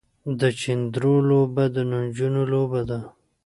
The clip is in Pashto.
د چيندرو لوبه د نجونو ده.